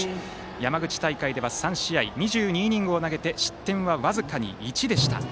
山口大会では３試合２２イニングを投げて失点は僅かに１でした。